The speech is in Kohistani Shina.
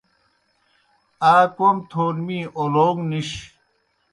آ کوْم تھون می اولون٘گ نِش۔